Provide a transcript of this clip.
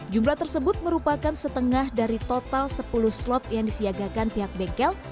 jumlah tersebut merupakan setengah dari total sepuluh slot yang disiagakan pihak bengkel